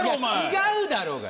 違うだろうが！